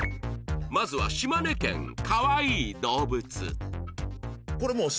まずは島根県かわいい動物